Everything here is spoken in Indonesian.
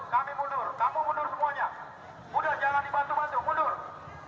kami mundur kamu mundur semuanya